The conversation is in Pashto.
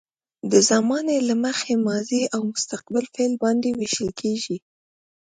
د زمانې له مخې ماضي، حال او مستقبل فعل باندې ویشل کیږي.